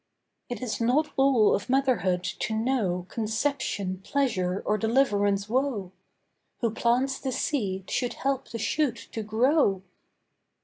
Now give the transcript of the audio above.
It is not all of Motherhood to know Conception pleasure or deliverance woe. Who plants the seed should help the shoot to grow.